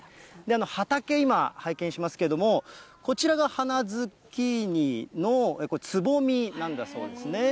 畑、今、拝見しますけれども、こちらが花ズッキーニのつぼみなんだそうですね。